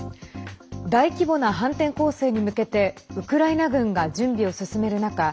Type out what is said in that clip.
大規模な反転攻勢に向けてウクライナ軍が準備を進める中